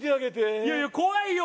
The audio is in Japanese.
いやいや怖いよ！